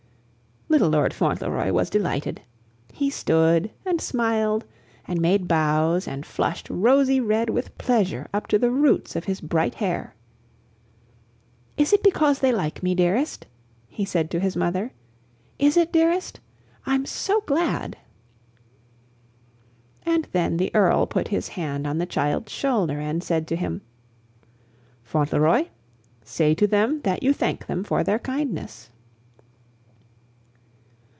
Little Lord Fauntleroy was delighted. He stood and smiled, and made bows, and flushed rosy red with pleasure up to the roots of his bright hair. "Is it because they like me, Dearest?" he said to his mother. "Is it, Dearest? I'm so glad!" And then the Earl put his hand on the child's shoulder and said to him: "Fauntleroy, say to them that you thank them for their kindness."